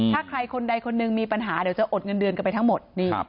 ถ้าใครคนใดคนหนึ่งมีปัญหาเดี๋ยวจะอดเงินเดือนกันไปทั้งหมด